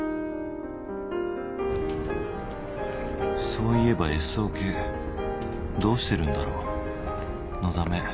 そういえば Ｓ オケどうしてるんだろう？のだめ